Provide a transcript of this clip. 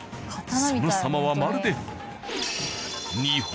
その様はまるで。